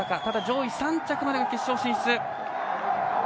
ただ、上位３着までが決勝進出。